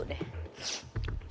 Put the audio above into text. kayaknya gue flu deh